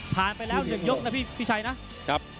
ผ่านไปแล้ว๑ยกนะพี่ชัยนะ